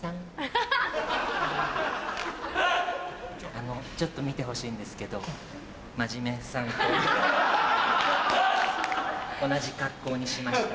あのちょっと見てほしいんですけどまじめさんと同じ格好にしました。